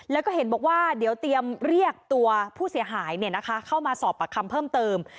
แล้วก็เห็นบอกว่าเดี๋ยวเตรียมเรียกตัวผู้เสียหายเข้ามาสอบปากคำเพิ่มเติม